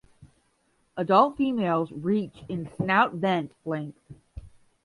Adult females reach in snout–vent length.